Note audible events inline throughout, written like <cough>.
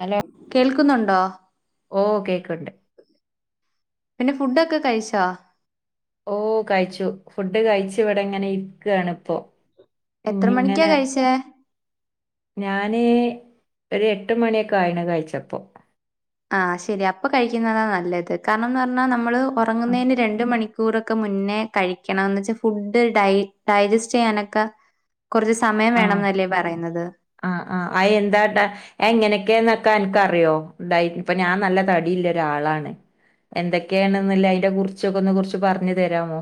Hello ക്കുന്നുണ്ടോ ഓ കേക്കണ്ട് പിന്നെ ഫുഡൊക്കെ കഴിച്ചോ ഓ കഴിച്ചു ഫുഡ് കഴിച്ച് ഇവിടെ ഇങ്ങനെ ഇരിക്കാണ് ഇപ്പൊ എത്ര മണിക്കാ കഴിച്ചേ ഞാന് ഒരു എട്ടുമണിയൊക്കെ ആയണ് കഴിച്ചപ്പോ ആ ശെരി അപ്പൊ കഴിക്കുന്നതാ നല്ലത് കാരണമെന്ന് പറഞ്ഞാ നമ്മള് ആ ഉറങ്ങുന്നതിന് രണ്ട് മണിക്കൂ ക്കൂറൊക്കെ മുന്നേ കഴിക്കണം എന്നുവച്ചാ ഫുഡ് ഡൈ ഡൈജസ്റ്റ് ചെയ്യാനൊക്കെ കുറച്ച് സമയം ആ വേണം എന്നല്ലേ പറയുന്നത് ആ ആ അ എന്താട്ടാ എങ്ങനെയൊക്കെന്ന് ക്ക എനിക്കറിയോ ഇതായി ഇപ്പൊ ഞാൻ നല്ല തടിയില്ല ഒരാളാണ് എന്തൊക്കെയണെന്നില്ല അതിനെ കുറിച്ചൊക്ക ഒന്ന് കുറിച്ച് പറഞ്ഞു തരാമോ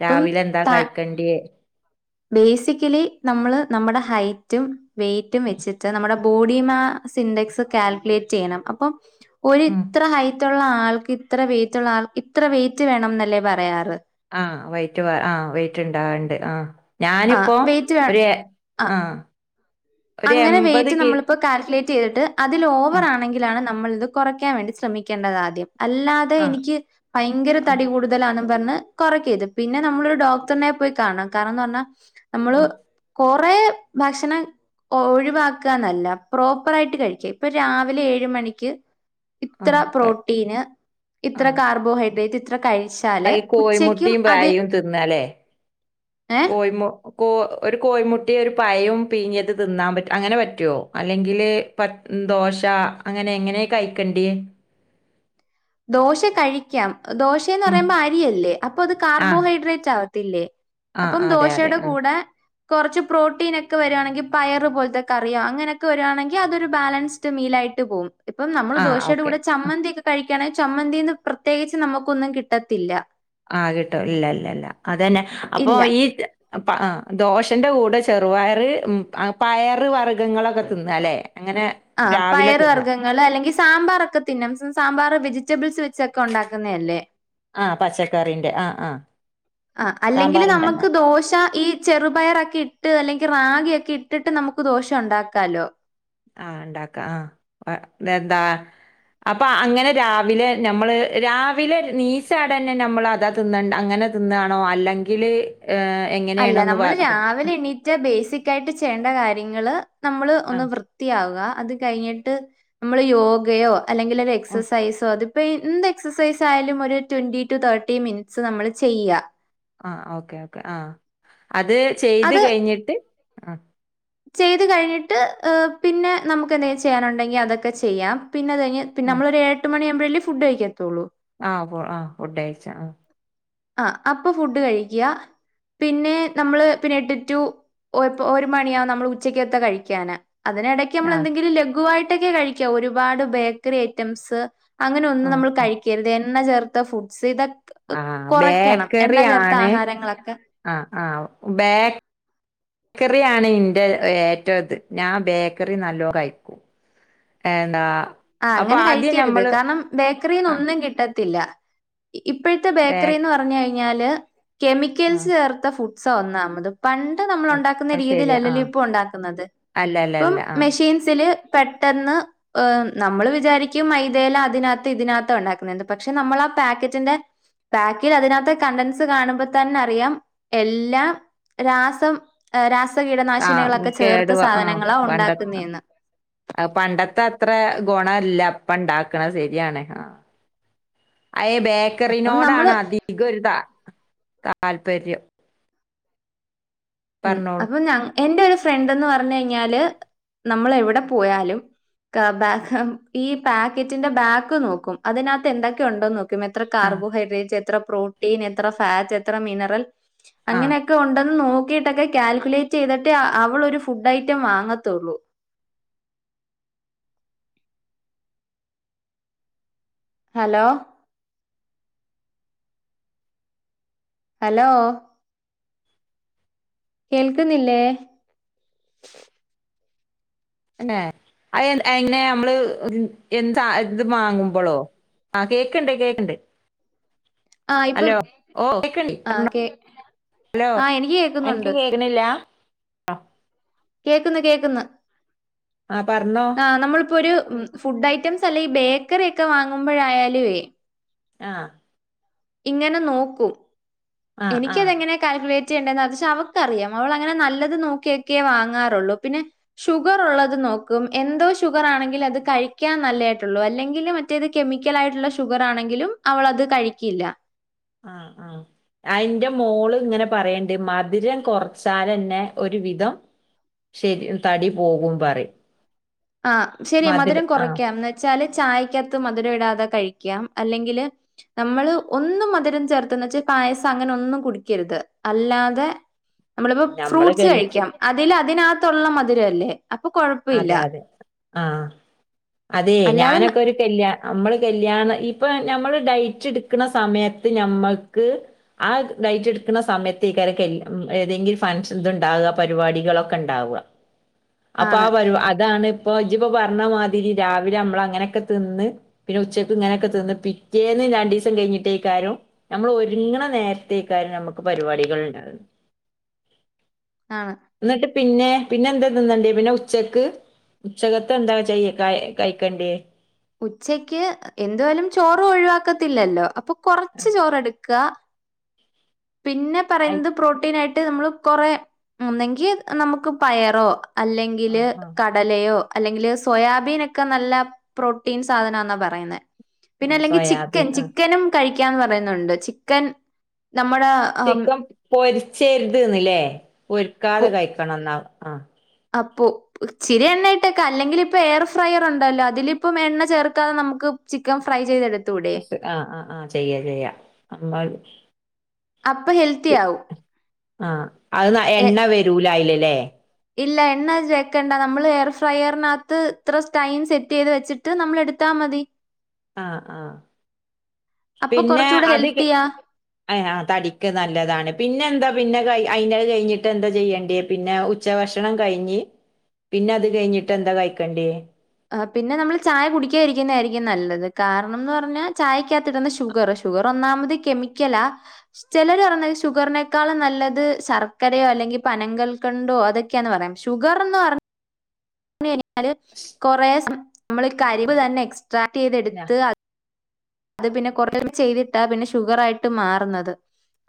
അപ്പം രാവിലെ എന്താ കഴിക്കണ്ടിയേ ബേസിക്കലി നമ്മള് നമ്മുടെ ഹൈറ്റും വെയ്റ്റും വെച്ചിട്ട് നമ്മുടെ ബോഡി മാ സിന്റക്സ് കാൽക്കുലേറ്റ് ചെയ്യണം അപ്പൊ ഒരു ഉം ഇത്ര ഹൈറ്റ് ള്ള ആൾക്ക് ഇത്ര വെയ്റ്റ്ള്ള ആൾക്ക് ഇത്ര വെയിറ്റ് വേണം എന്നല്ലേ പറയാറ് ആ വൈറ്റ് ആ വെയ്റ്റ് ഉണ്ടാവണ്ട് ആ ആ ഞാനിപ്പോ വെയിറ്റ് ഒരു എ- ആ ഒരു അങ്ങനെ എൺപത് വെയിറ്റ് കിലോ നമ്മളിപ്പോ കാൽക്കുലേറ്റ് ചെയ്തിട്ട് അതിൽ ആ ഓവർ ആണെങ്കിലാണ് നമ്മള് ഇത് കുറയ്ക്കാൻ വേണ്ടി ശ്രമിക്കേണ്ടത് ആദ്യം അല്ലാതെ ആ എനിക്ക് ഭയങ്കര ആ തടികൂടുതലാണ് പറഞ്ഞു കുറക്കരുത് പിന്നെ നമ്മള് ഒരു ഡോക്ടറിനെ പോയി കാണുക കാരണംന്ന് പറഞ്ഞ നമ്മള് ആഹ് കൊ കൊറേ ഭക്ഷണം ഒഴിവാക്കാനല്ല പ്രോപ്പർ ആയിട്ട് കഴിക്കുക ഇപ്പൊ രാവിലെ ഏഴ് മണിക്ക് ഇത്ര ആഹ് പ്രോട്ടീന് ഇത്ര ആഹ് കാർബോഹൈഡ്രേറ്റ് ഇത്ര കഴി ഈ കോഴി മുട്ടയും ബായും തിന്നല്ലേ ഏഹ് കോഴി മു കോ ഒരു കോയിമുട്ടയും ഒരു പയവും പീഞ്ഞത് തിന്നാൻ പറ്റ അങ്ങനെ പറ്റുവോ അല്ലെങ്കില് പ ദോശ അങ്ങനെ എങ്ങനെയ കഴിക്കണ്ടിയേ ദോശ കഴിക്കാം ദോശയന്ന് ഉം പറയുമ്പോ അരിയല്ലേ അപ്പൊ അത് ആഹ് കാർബോഹൈഡ്രേറ്റ് ആണ് ത്തില്ലേ ആഹ് അപ്പം അതെ അതെ ദോശയുടെ ആഹ് കൂടെ കുറച്ച് പ്രോട്ടീൻ ഒക്കെ വരുവാണെക്കി പയറ് പോലത്തെ കറിയോ അങ്ങനെയൊക്കെ വരുവാണെങ്കിൽ അതൊരു ബാലൻസ്ഡ് മീൽആയി ട്ട് പോവും ഇപ്പം നമ്മൾ ആഹ് ദോശയുടെ ഓക്കെ കൂടെ ആഹ് ചമ്മന്തി ഒക്കെ കഴിക്കുകയാണെങ്കിൽ ചമ്മന്തിന്ന് പ്രത്യേകിച്ച് നമുക്കൊന്നും കിട്ടത്തില്ല ആ കിട്ടോ ഇല്ല ഇല്ല ഇല്ല അതന്നെ അപ്പൊ ഇല്ല. ഈ പ ദോശ ന്റെ കൂടെ ചെറുപയർ പയർ വർഗ്ഗങ്ങളൊക്കെ തിന്ന അല്ലേ അങ്ങനെ ആ രാവിലെ പയർ വർഗങ്ങള് അല്ലെങ്കിൽ സാമ്പാർക്കെ തിന്നം സാമ്പാർ വെജിറ്റബിൾസ് വച്ച് ഉണ്ടാക്കുന്ന അല്ലേ ആഹ് പച്ചക്കറിന്റെ ആഹ് ആഹ് ആ അല്ലെങ്കിൽ സാമ്പാറുണ്ട ആഹ് നമുക്ക് ദോശ ഈ ചെറുപയറൊക്കെ ഇട്ട് അല്ലെങ്കിൽ റാഗിയൊക്കെ ഇട്ടിട്ട് നമുക്ക് ദോശ ഉണ്ടാക്കാലോ ആ ഉണ്ടാക്കാം ആ എന്താ അപ്പൊ അങ്ങനെ രാവിലെ നമ്മള് രാവിലെ നീസാടെ തന്നെ നമ്മൾ അതാ തിന്നണ്ട് അങ്ങനെ തിന്നണോ അല്ലെങ്കിൽ ഏഹ് അല്ല എങ്ങനെയാണോന്ന് പറ നമ്മള് അപ്പൊ രാവിലെ എണ്ണീറ്റ് ബേസിക് ആയിട്ട് ചെയ്യേണ്ട കാര്യങ്ങള് നമ്മള് ഒന്ന് ആഹ് വൃത്തിയാവുക അത് കഴിഞ്ഞിട്ട് നമ്മള് യോഗയോ അല്ലെങ്കിൽ ഒരു ഓഹ് എക്സസൈസോ അത് ഇപ്പൊ എന്ത് എക്സസൈസ് ആയാലും ഒരു ട്വന്റി ടു തേർട്ടി മിനിറ്റ്സ് നമ്മള് ചെയ്യുക ആ ഓക്കെ ഓക്കേ ആ അത് ചെയ്ത് കഴിഞ്ഞിട്ട് ആ ചെയ്തു കഴിഞ്ഞിട്ട് പിന്നെ നമുക്ക് എന്തെങ്കിലും ചെയ്യാനുണ്ടെങ്കിൽ അതൊക്കെ ചെയ്യാം പിന്നെ അത് കഴിഞ്ഞ് പിന്ന നമ്മള് ഒരു എട്ട് മണിയാകുമ്പോഴേ ഫുഡ് കഴിക്കത്തുള്ളൂ ആ ഫ ആ ഫുഡ് കഴിച്ച ആ ആ അപ്പൊ ഫുഡ് കഴിക്ക പിന്നെ നമ്മള് പിന്നെ എട്ട് ടു ഒരു മണിയാവും നമ്മള് ഉച്ചക്കത്തെ കഴിക്കാന് അതിനിടയ്ക്ക് നമ്മൾ ആഹ് എന്തെങ്കിലും ലഘുവായിട്ടൊക്കെ കഴിക്കാം ഒരുപാട് ബേക്കറി ഐറ്റംസ് അങ്ങനെ ഒന്നും നമ്മൾ ആഹ് കഴിക്കരുത് എണ്ണ ചേർത്ത ഫുഡ്സ് ഇതൊക്കെ ആ കുറയ്ക്കണം എണ്ണ ബേക്കറി ചേർത്ത ആണ് ആഹാരങ്ങളൊക്കെ ആ ആ ബേ ബേക്കറിയാണ് ഇന്റെ ഏറ്റവുംത് ഞാൻ ബേക്കറി നല്ലോ കഴിക്കും എന്ന ആ അങ്ങനെ കഴിക്കരുത് കാരണം ബേക്കറിന്ന് ആഹ് ഒന്നും കിട്ടത്തില്ല ഇപ്പോഴത്തെ ബേക്ക് ബേക്കറിന്ന് പറഞ്ഞു കഴിഞ്ഞാല് ആഹ് കെമിക്കൽസ് ചേർത്ത ഫുഡ്സ് ഒന്നാമത പണ്ട് നമ്മൾ അ ഉണ്ടാക്കുന്ന അത് ശരിയാ രീതിയിലല്ല ആ ലോ ഇപ്പ ഉണ്ടാക്കുന്നത് അല്ല അല്ല ഇപ്പം അല്ല ആ മെഷീൻസിൽ പെട്ടെന്ന് നമ്മള് വിചാരിക്കും മൈതേല അതിനകത്ത് ഇതിനകത്ത ഉണ്ടാക്കുന്നുണ്ട് പക്ഷെ നമ്മൾ ആ പാക്കറ്റിന്റെ പാക്കിൽ അതിനകത്തെ കണ്ടൻസ് കാണുമ്പോ തന്നെ അറിയാം എല്ലാം രാസം രാസ ആ കേടു ആ പണ്ട ഉണ്ടാക്കുന്നേന്ന്. പണ്ടത്തെ അത്ര ഗുണല്ല അപ്പ ഇണ്ടാക്കണ ശരിയാണ് അയ അപ്പം നമ്മള് ബേക്കറിനോടാണ് അധികം ഒരു ത താല്പര്യം ഉം പറഞ്ഞോളൂ അപ്പൊ ഞ എന്റെ ഒരു ഫ്രണ്ട്ന്ന് പറഞ്ഞ കഴിഞ്ഞാല് നമ്മൾ എവിടെ പോയാലും ബ ഈ പാക്കറ്റിന്റെ ബാക്ക് നോക്കും അതിനകത്ത് എന്തൊക്കെയ ഉണ്ടോന്ന് നോക്ക എത്ര ആ കാർബോഹൈഡ്രേറ്റ്സ് എത്ര പ്രോട്ടീൻ എത്ര ഫാറ്റ് എത്ര മിനറൽ ആ അങ്ങനെയൊക്കെ ഉണ്ടെന്ന് നോ ൊക്കെ കാൽക്കുലേറ്റ് ചെയ്തിട്ട് അവൾൊ ഒരു ഫുഡ് ഐറ്റം വാങ്ങത്തുള്ളൂ നന്ക്കിൽഓഡ് ഹലോ ഹലോ കേൾക്കുന്നില്ലേ അല്ലെ അ അങ്ങനെ നമ്മള് എന്താ ഇത് വാങ്ങുമ്പോളോ ആഹ് കേക്കണ്ട് കേക്കണ്ട് ആഹ് ഇപ്പം ഹലോ ഓ കേക്ക ആഹ് കേ ഹലോ ആഹ് എനിക്ക് അൻക്ക് കേക്കുന്നുണ്ട്. കേക്കണില്ല കേക്ക്ന്ന് കേക്ക്ന്ന് ആ പറഞ്ഞോ ആഹ് നമ്മളിപ്പോ ഒരു ഫുഡ് ഐറ്റംസ് അല്ലെ ഈ ബേക്കറി ഒക്കെ വാങ്ങുമ്പോഴായാലുവേ ആഹ് ഇങ്ങനെ നോക്കും ആ ആ എനിക്കതെങ്ങനെ കാൽക്കുലേറ്റ് അവക്കറിയാം അവൾ അങ്ങനെ നല്ലത് നോക്കിയൊക്കെ വാങ്ങാറുള്ളൂ പിന്നെ ഷുഗർ ഉള്ളത് നോക്കും എന്തോ ഷുഗർ ആണെങ്കില് അത് കഴിക്കാൻ നല്ലതായിട്ടുള്ളൂ അല്ലെങ്കിൽ മറ്റേത് കെമിക്കൽ ആയിട്ടുള്ള ഷുഗർ ആണെങ്കിലും അവളത് കഴിക്കില്ല ആഹ് ആഹ് അയിന്റെ മോള് ഇങ്ങനെ പറയണ്ട് മധുരം കുറച്ചാലന്നെ ഒരു വിധം ശരി തടി പോകും പറയും ആഹ് ശെരിയാ മധുരം കുറയ്ക്കാംന്ന് വെച്ചാല് ചായക്കാത്ത് മധുരം ഇടാതെ കഴിക്കാം. അല്ലെങ്കില് നമ്മള് ഒന്നും മധുരം ചേർത്ത് ന്ന്ച്ചാ പായസം അങ്ങനെ ഒന്നും കുടിക്കരുത്. അല്ലാതെ നമ്മളിപ്പോ നമ്മള് ഫ്രൂട്ട്സ് കൽ കഴിക്കാം. അതില് അതിനാത്തൊള്ള മധിരല്ലേ? അപ്പൊ കൊഴപ്പ ഇല്ല. അതെ അതെ ആഹ് അതെ അല്ലാതെ ഞാനൊക്കെ ഒരു കല്യാ നമ്മള് കല് ല്യാണ ഇപ്പ നമ്മള് ഡൈറ്റ് എടുക്കണ സമയത്ത് നമ്മക്ക് ആ ഡൈറ്റ് എടുക്കണ സമയത്തേക്കായിരി ഏതെങ്കിലും ഫങ്ഷന് ഇതുണ്ടാവുക പരിപാടികളൊക്കെ ഉണ്ടാവുക. ഇപ്പ ആ ആണ് പരിപാ അതാണ് ഇപ്പൊ ഇജ്ജിപ്പോ പറഞ്ഞ മാതിരി രാവിലെ നമ്മളങ്ങനൊക്കെ തിന്ന് പിന്നെ ഉച്ചക്ക് ഇങ്ങനൊക്കെ തിന്ന് പിറ്റേന്ന് രണ്ടീസം കഴിഞ്ഞിട്ടേക്കാരും നമ്മള് ഒരുങ്ങണ നേരത്തേക്കാരും നമുക്ക് പരിപാടികൾ ഉണ്ടാകുന്നു. ആണ്. പിന്നെ പിന്നെ എന്താ തിന്നണ്ടിയെ? പിന്നെ ഉച് ചക്ക് ഉച്ചകത്ത് എന്താ ചെയ്ക? ക കഴിക്കണ്ടിയേ? ഉച്ചയ്ക്ക് എന്തുവായാലും ചോറ് ഒഴിവാക്കത്തില്ലല്ലോ? അപ്പൊ ആ, കൊറച്ച് ചോറെടുക്കുക. പിന്നെ ഐ- പറയുന്നത് പ്രോട്ടീൻ ആയിട്ട് നമ്മള് കൊറ ഒന്നെങ്കി നമുക്ക് പയറോ ആ, അല്ലെങ്കില് ആ, കടലയോ അല്ലെങ്കില് സോയാബീൻ ഒക്കെ നല്ല പ്രോട്ടീൻ സാധനമാന്നാ പറയുന്നെ. ആ, പിന്നെ അല്ലെങ്കി ചിക്കൻ സോയാബീൻ ആ ചിക്കനും കഴിക്കാന്ന് പറയുന്നൊണ്ട്. ചിക്കൻ നമ്മുടെ ആഹ് ചിക്കൻ പൊരിച്ചരുത് എന്നില്ലേ? പൊരിക്കാതെ കഴിക്കണം എന്നാ ആഹ് അപ്പൊ ഇച്ചിരി എണ്ണയിട്ടൊക്കെ അല്ലെങ്കില് ഇപ്പൊ എയർ ഫ്രയർ ഉണ്ടല്ലോ അതിലിപ്പം എണ്ണ ചേർക്കാതെ നമുക്ക് ചിക്കൻ ഫ്രൈ ചെയ്തെടു <unintelligible> ആഹ് ആഹ് ആഹ് ചെയ്യാ ചെയ്യാം. നമ്മള് അപ്പൊ ഹെൽത്തി ആവും. ആഹ് അത് എ എണ്ണ വരൂല അയില് ഇല്ലേ? ഇല്ല എണ്ണ ചേക്കണ്ട. നമ്മള് എയർ ഫ്രയറിനകത്ത് ഇത്ര ടൈം സെറ്റ് ചെയ്ത് വെച്ചിട്ട് നമ്മൾ എടുത്താ മതി ആഹ് ആഹ് അപ്പൊ പിന്നെ കൊറച്ചൂടെ അത് ഹെൽത്തിയാ. തടിക്ക് നല്ലതാണ് പിന്നെ എന്താ പിന്നെ ക അയി കഴിഞ്ഞിട്ട് എന്താ ചെയ്യണ്ടേ പിന്നെ ഉച്ചഭക്ഷണം കഴിഞ്ഞ് പിന്നത് കഴിഞ്ഞിട്ട് എന്താ കഴക്കണ്ടേ പിന്നെ നമ്മൾ ചായ കുടിക്കാത ഇരിക്കുന്നതായിരിക്കും നല്ലത് കാരണംന്ന് പറഞ്ഞാൽ ചായക്കകത്ത് ഇടുന്ന ഷുഗർ ഷുഗറോ ഒന്നാമത് കെമിക്കലാ, ചെലര് പറേന്നത് ഷുഗറിനേക്കാളും നല്ലത് ശക്കരയാ അല്ലെങ്കി പനങ്കൾക്കണ്ടോ അതൊക്കെയാന്ന് പറയാം ഷുഗർന്ന് പറ കൊറെ നമ്മൾ ആഹ് കരിവ് ശ തന്നെ എക്സ്ട്രാക്ട് ഞാ ചെയ്തെടുത്ത് അത് പിന്നെ കുറ ചെയ്തിട്ടാ പിന്നെ ഷുഗറ് ആയിട്ട് മാറുന്നത്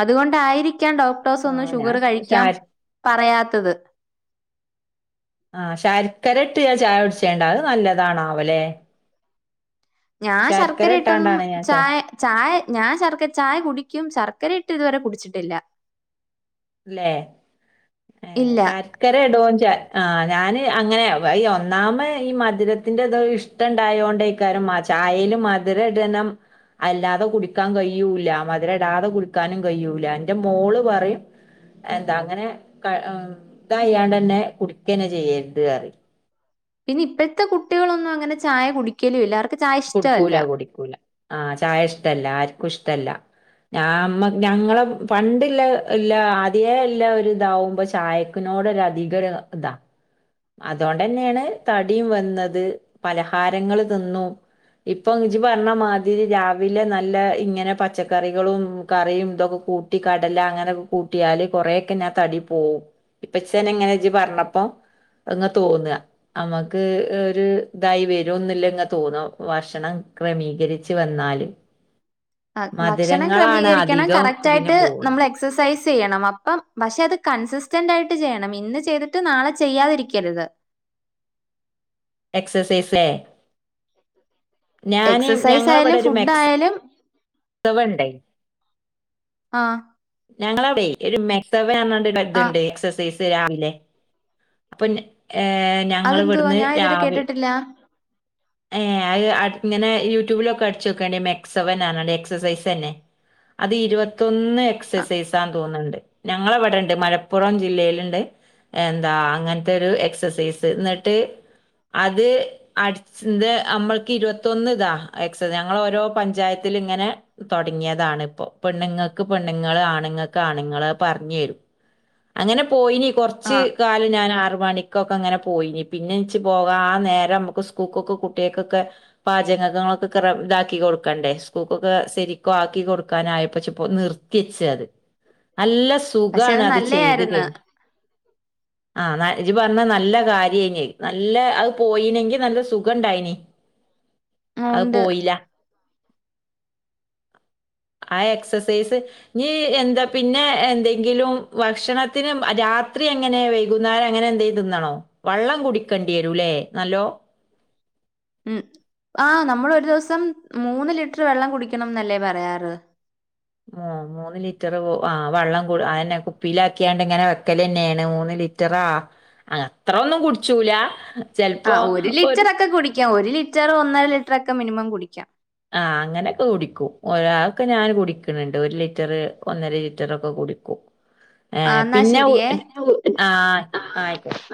അതുകൊണ്ടായിരിക്കും ക്കാൻ ഡോക്ടേഴ്സ് ഒന്നും ആഹ് ഞാൻ ഷുഗർ കഴിക്കാൻ ശാര് പറയാത്തത്. ആ ശർക്കരേ ഇട്ട് ഞാ ചായ കുടിച്ചേണ്ട് അത് നല്ലതാണാവലെ ഞാൻ ശർക്കര ഇട്ടൊന്നും ഇട്ടാണ്ടാണ് ഞാൻ ചാ ചായ ചായ ഞാൻ ശർക്കര ചായ കുടിക്കും ശർക്കര ഇട്ട് ഇതുവരെ കുടിച്ചിട്ടില്ല അല്ലേ ഏ ഇല്ല. ശർക്കരടോ ആ ഞാന് അങ്ങനെ ഈ ഒന്നാമ ഈ മധുരത്തിന്റെത ഇഷ്ടം ഉണ്ടായോണ്ടേക്കാരും ചായൽ മധുരടനം അല്ലാതെ കുടിക്കാൻ കഴിയൂല്ല മധുര ഇടാതെ കുടിക്കാനും കഴിയൂല്ല എറെ മോള് പറയും എന്താ അങ്ങനെ ക ഇതയ്യാണ്ട്ന്നെ കുടിക്കനെ ചെയ്യരുത് കറി പിന്നെ ഇപ്പഴത്തെ കുട്ടികളൊന്നും അങ്ങനെ ചായ കുടിക്കല ഇല്ല അവർക്ക് ചായ ഇഷ്ടമല്ല. കുടിക്കൂല കുടിക്കൂല ആഹ ചായ ഇഷ്ടമല്ല ആർക്കും ഇഷ്ടല്ല ഞമ്മ ഞങ്ങളെ പണ്ടില്ല ഇല്ല അതേ എല്ല ഒരു ഇതാവുമ്പോ ചായക്കനോ നടെ രാതിീകര ഇതാ അതുകൊണ്ട് തന്നെയാണ് തടിയും വന്നത് പലഹാരങ്ങ തിന്നും ഇപ്പൊ ഇചി പറഞ്ഞ മാതിരി രാവിലെ നല്ല ഇങ്ങനെ പച്ചക്കറികളും കറിയും ഇതൊക്കെ കൂട്ടി കടല അങ്ങനെയൊക്കെ കൂട്ടിയാല് കൊറേൊക്കെ ഞാൻ തടി പോകവും ഇപ്പച്ചൻ എങ്ങനെ ചജ പറഞ്ഞപ്പോ അങ്ങ് തോന്നുക നമുക്ക് ഒരു ഇതായി വരമന്നില്ലങ്ങങ് തോന്നും ഭക്ഷണം ക്രമീകരിച്ച് വന്നാൽ നാല് ആ ഭക്ഷണം ക്രമീകരിക്കണം കറക്റ്റ് ഇതിന് ആയിട്ട് നമ്മൾ പോണത് എക്സസൈസ് ചെയ്യണം അപ്പം പക്ഷെ അത് കൺസിസ്റ്റന്റ് ആയിട്ട് ചെയ്യണം ഇന്ന് ചെയ്തിട്ട് നാളെ ചെയ്യാതിരിക്കരുത് എക്സസൈസ് എക്സസൈസ് ആയാലും ഫുഡ ആയാലും ചെവണ്ടൈ ആഹ ഞങ്ങളവിടെ ഒരു മെക്സവ് ആഹ്. ഇതുണ്ട് എക്സസൈസ് രാവിലെ അപ്പൊ ഏർ അതെന്തുവാ ഞങ്ങവിടുന്ന് ഞാൻ ഇതുവരെ രാവ കേട്ടിട്ടില്ല ഏ അത് ഇങ്ങനെ യൂട്യൂബിലൊക്കെ അടിച്ചു വോക്കണ്ട മെക്സെവൻ ആണ എക്സസൈസ് തന്നെ അത് ഇരുപത്തൊന്ന് ആ എക്സസൈസാന്ന് തോന്നുന്നുണ്ട് ഞങ്ങളവിടെണ്ട് മലപ്പുറം ജില്ലയിലുണ്ട് എന്താ അങ്ങനത്തെ ഒരു എക്സസൈസ് എന്നിട്ട് അത് അ ഇത് നമ്മൾക്ക് ഇരുപത്തൊന്ന് ഇതാ എക്സ ഞങ്ങ ഓരോ പഞ്ചായത്തില ഇങ്ങനെ തുടങ്ങിയതാ ഇപ്പൊ പെണ്ണുങ്ങൾക്ക് പെണ്ണുങ്ങൾ ആണുങ്ങൾക്ക് ആണുങ്ങ പറഞ്ഞു തരും അങ്ങനെ പോയിനി ആ കുറച്ച് കാലം ഞാൻ ആറ മണിക്കൊക്കെ അങ്ങനെ പോയിനി പിന്നെ എച്ച് പോക ആ നേരം നമുക്ക് സ്കൂൾക്കൊക്കെ കുട്ടികൾക്കൊക്കെ പാചകങ്ങളൊക്കെ ഇതാക്കി കൊടുക്കണ്ടേ സ്കൂൾക്കൊക്കെ ശരിക്കും കൊടുക്കാനായപ്പോ അപ്പൊ നിർത്തിച്ച് അത് നല്ല പക്ഷെ സുഖമാണ് അത് ചെയ്ത് നല്ലയായിരുന്നു കഴിഞ്ഞ ആ ഇജി പറഞ്ഞ നല്ല കാര്യ നല്ല അത് പോയിനെങ്കി നല്ല സുഖ ഇണ്ടായിനി ഉം, അത് ഉണ്ട് പോയില്ല ആ എക്സസൈസ് നീ എന്താ പിന്നെ എന്തെങ്കിലും ഭക്ഷണത്തിനന് രാത്രി അങ്ങനെ വൈകുന്നേരം അങ്ങനെ എന്ത ചെയ തിന്നണോ വെള്ളം കുടിക്കേണ്ടി വരൂല്ലേ നല്ലോ ഉം ആഹ നമ്മൾൊ ഒരു ദിവസം മൂന്ന് ലിറ്റർ വെള്ളം കുടിക്കണം എന്നല്ലേ പറയാറ് മ മൂന്ന് ലിറ്റർ ആ് വള്ളം കൂതന്നെ കുപ്പിയില ആാക്കിയാണ്ട് ഇങ്ങനെ വെക്കൽ തന്നെയാണ് മൂന്ന റ്ററാ അ അത്ര ഒന്നും കുടിച്ചൂല ആ ചെലപ്പോ ഒരു ലിറ്ററൊക്കെ കുടിക്കാം ഒരു ലിറ്റർ ഒന്നര ലിറ്ററ ഒക്കെ മിനിമം കുടിക്കാം ആ അങ്ങനെയൊക്കെ കുടിക്കും ഒരാൾൊക്കെ ഞാൻ കുടിക്കണണ്ട് ഒരു ലിറ്ററ് ഒന്നര ലിറ്ററ ഒക്കെ ടിക്ക ഏ ആ എന്നാ പിന്നെ ശരിയേ ആ ആയിക്കോട്ടെ